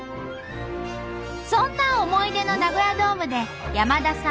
そんな思い出のナゴヤドームで山田さん